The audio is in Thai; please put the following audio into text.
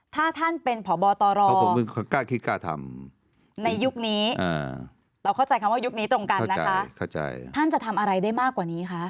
ถ้าท่านเป็นพบตรกล้าคิดกล้าทำในยุคนี้เราเข้าใจคำว่ายุคนี้ตรงกันนะคะท่านจะทำอะไรได้มากกว่านี้คะ